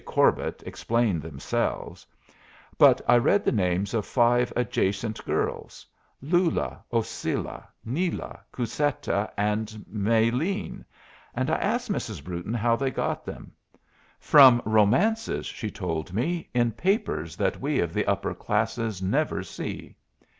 Corbett explained themselves; but I read the names of five adjacent girls Lula, Ocilla, Nila, Cusseta, and Maylene. And I asked Mrs. Brewton how they got them. "From romances," she told me, "in papers that we of the upper classes never see."